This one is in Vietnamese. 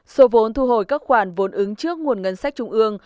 số vốn thu hồi các khoản vốn ứng trước nguồn ngân sách trung ương